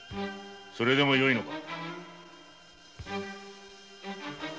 それでもよいのか！？